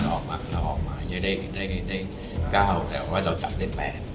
อันนั้นเราออกมาได้๙แต่ว่าเราจับได้๘